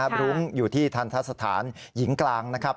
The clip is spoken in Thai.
บรุ้งอยู่ที่ทันทะสถานหญิงกลาง